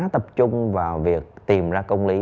tập trung vào việc tìm ra công lý